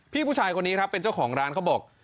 ผู้ชายคนนี้ครับเป็นเจ้าของร้านเขาบอก